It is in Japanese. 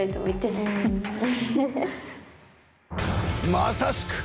まさしく！